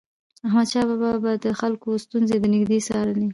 احمدشاه بابا به د خلکو ستونزې د نژدي څارلي.